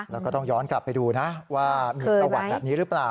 แล้วก็ต้องย้อนกลับไปดูนะว่ามีประวัติแบบนี้หรือเปล่า